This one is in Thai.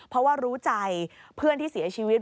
เพราะว่ารู้ใจเพื่อนที่เสียชีวิต